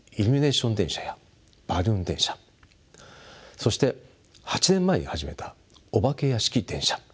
そして８年前に始めたお化け屋敷電車。